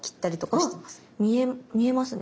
あっ見えますね